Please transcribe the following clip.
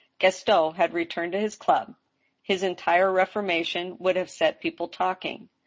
Gaston had returned to his club. His entire reformation would have set people talking.